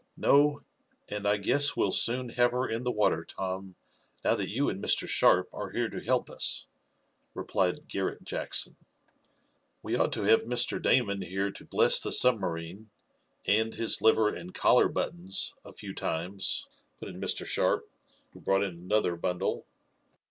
"No; and I guess we'll soon have her in the water, Tom, now that you and Mr. Sharp are here to help us," replied Garret Jackson. "We ought to have Mr. Damon here to bless the submarine and his liver and collar buttons a few times," put in Mr. Sharp, who brought in another bundle.